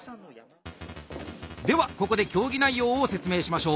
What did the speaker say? ではここで競技内容を説明しましょう。